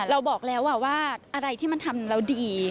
เราบอกแล้วว่าอะไรที่มันทำเราดี